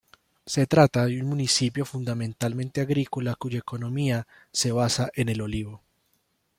Se trata de un municipio fundamentalmente agrícola cuya economía se basa en el olivo.